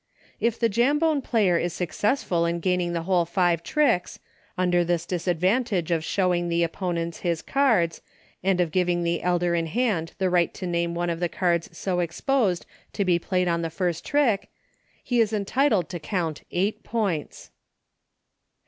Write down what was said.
If the Jambone player is successful in gaining the* whole five tricks, — under this disadvantage of showing the opponents his cards, and of giving the elder in hand the right to name one of the cards so exposed to be played on the first trick, — he is entitled to count eight points.